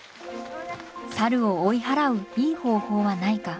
サルを追い払ういい方法はないか。